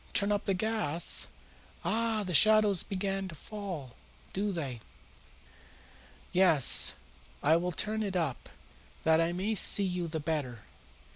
"Turn up the gas? Ah, the shadows begin to fall, do they? Yes, I will turn it up, that I may see you the better."